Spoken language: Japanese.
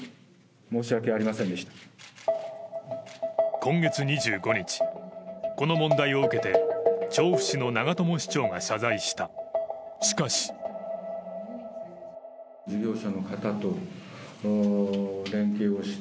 今月２５日、この問題を受けて調布市の長友市長が謝罪した。